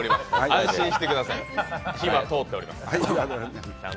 安心してください火は通っております。